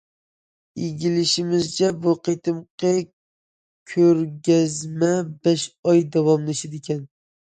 ئىگىلىشىمىزچە، بۇ قېتىمقى كۆرگەزمە بەش ئاي داۋاملىشىدىكەن.